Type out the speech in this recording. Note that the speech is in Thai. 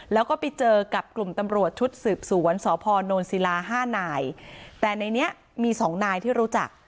แล้วก็ไปเจอกับกลุ่มตำรวจชุดสืบสวนสพนศิลาห้านายแต่ในนี้มีสองนายที่รู้จัก